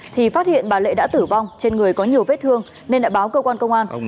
thì phát hiện bà lệ đã tử vong trên người có nhiều vết thương nên đã báo cơ quan công an